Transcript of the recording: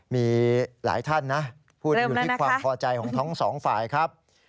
มีหลายท่านนะพูดอยู่ที่ความพอใจของทั้งสองฝ่ายครับ